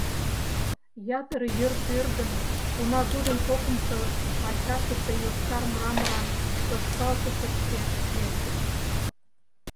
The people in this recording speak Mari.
Ятыр йыр пӧрдын, унагудын кокымшо пачашысе йошкар мраморан тошкалтышышке лектыч.